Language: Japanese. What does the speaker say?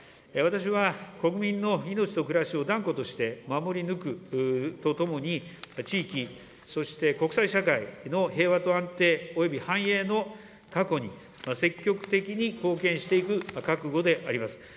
私は国民の命と暮らしを断固として守り抜くとともに、地域、そして国際社会の平和と安定および繁栄の確保に積極的に貢献していく覚悟であります。